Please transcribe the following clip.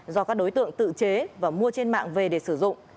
do các đối tượng tự chế và mua trên mạng về để sử dụng